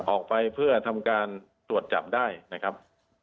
ออกไปเพื่อทำการตรวจจับได้นะครับ